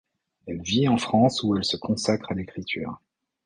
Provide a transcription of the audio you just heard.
Elle vit en France où elle se consacre à l'écriture.